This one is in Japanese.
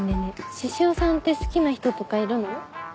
獅子王さんって好きな人とかいるの？